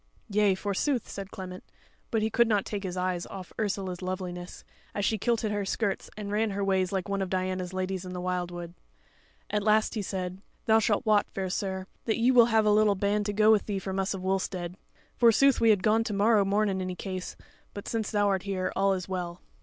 "Yea, forsooth," said Clement; but he could not take his eyes off Ursula's loveliness, as she kilted her skirts and ran her ways like one of Diana's ladies in the wildwood. At last he said, "Thou shalt wot, fair sir, that ye will have a little band to go with thee from us of Wulstead; forsooth we had gone to morrow morn in any case, but since thou art here, all is well."